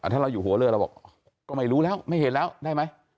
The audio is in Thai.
ถ้าเราอยู่หัวเรือเราบอกก็ไม่รู้แล้วไม่เห็นแล้วได้ไหม